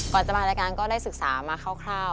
ก่อนจะมารายการก็ได้ศึกษามาคร่าว